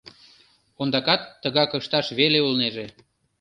Ондакат тыгак ышташ веле улнеже.